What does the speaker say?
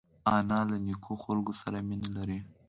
انا له نیکو خلکو سره مینه لري